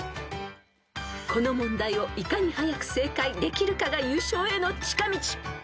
［この問題をいかに早く正解できるかが優勝への近道］